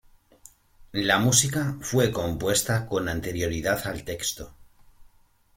La música fue compuesta con anterioridad al texto.